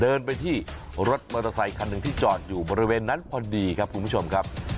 เดินไปที่รถมอเตอร์ไซคันหนึ่งที่จอดอยู่บริเวณนั้นพอดีครับคุณผู้ชมครับ